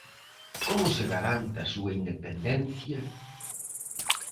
Como se garante a súa independencia?